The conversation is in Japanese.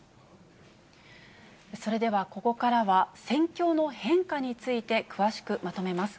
それでは、ここからは戦況の変化について詳しくまとめます。